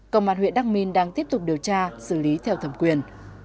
công an huyện đắc minh đang tiếp tục điều tra xử lý theo thẩm quyền